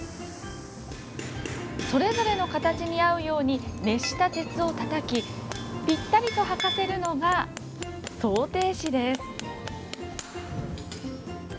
それぞれの形に合うように熱した鉄をたたきぴったりと履かせるのが装蹄師です。